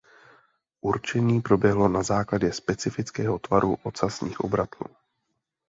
Určení proběhlo na základě specifického tvaru ocasních obratlů.